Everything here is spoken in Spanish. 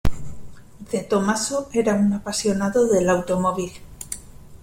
De Tomaso era un apasionado del automóvil.